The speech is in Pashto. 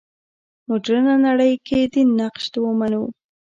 مډرنه نړۍ کې دین نقش ومنو.